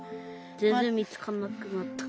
全然見つかんなくなった。